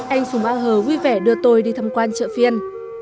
anh sùng a hờ vui vẻ đưa tôi đi thăm quan chợ phiên